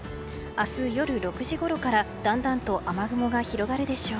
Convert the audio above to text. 明日夜６時ごろからだんだんと雨雲が広がるでしょう。